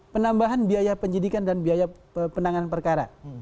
penambahan biaya penyidikan dan biaya penanganan perkara